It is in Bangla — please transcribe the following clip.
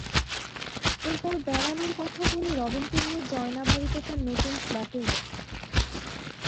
এরপর বেড়ানোর কথা বলে রবিনকে নিয়ে জয়নাবাড়িতে তাঁর নতুন ফ্ল্যাটে যান।